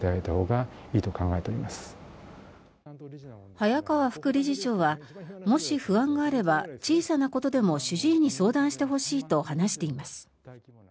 早川副理事長はもし不安があれば小さなことでも主治医に相談してほしいと話しています。